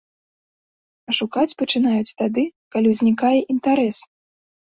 А шукаць пачынаюць тады, калі ўзнікае інтарэс.